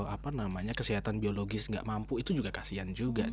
apa namanya kesehatan biologis nggak mampu itu juga kasihan juga